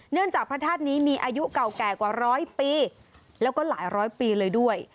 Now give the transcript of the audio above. จากพระธาตุนี้มีอายุเก่าแก่กว่าร้อยปีแล้วก็หลายร้อยปีเลยด้วย